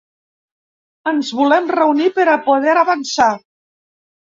Ens volem reunir per a poder avançar.